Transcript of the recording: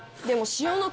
でも。